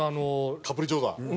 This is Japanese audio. カプリチョーザ？